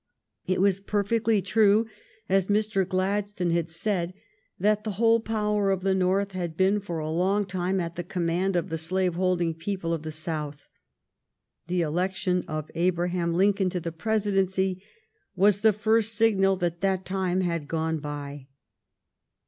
It was perfectly true, as Mr. Gladstone said, that the whole power of the North had been for a long time at the command of the slaveholding people of the South. The election of Abraham Lincoln to the Presidency was the first signal that that time had gone by.